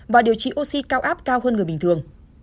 và điều trị oxy cao áp cao hơn người bình thường